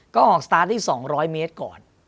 ก็ออกสตาร์ทได้๒๐๐เมตรก่อน